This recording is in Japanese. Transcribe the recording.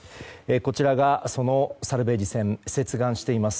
こちらがそのサルベージ船接岸しています。